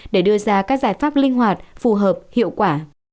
để đưa ra các giải pháp linh hoạt phù hợp hiệu quả